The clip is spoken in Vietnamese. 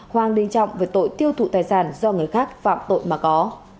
hoàng đình trọng về tội tiêu thụ tài sản do người khác phạm tội mà có